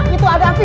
itu ada api